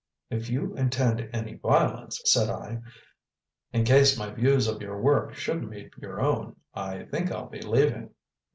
"If you intend any violence," said I, "in case my views of your work shouldn't meet your own, I think I'll be leaving."